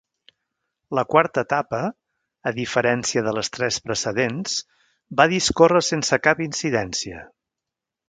La quarta etapa, a diferència de les tres precedents, va discórrer sense cap incidència.